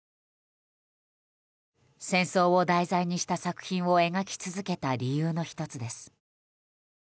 戦争を題材にした作品を描き続けた理由の１つです。